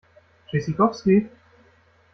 Tschüssikowski!